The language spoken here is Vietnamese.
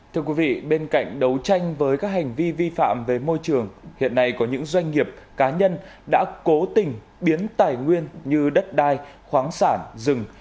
thưa quý vị bên cạnh đấu tranh với các hành vi vi phạm về môi trường hiện nay có những doanh nghiệp cá nhân đã cố tình biến tài nguyên như đất đai khoáng sản rừng